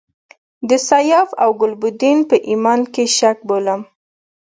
د سیاف او ګلبدین په ایمان کې شک بولم.